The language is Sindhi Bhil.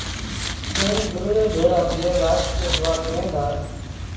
ائيٚݩ گُرڙي ڀيڙآ ٿئي لآش تي دئآ ڪريݩ دآ